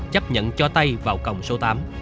chấp nhận cho tay vào còng số tám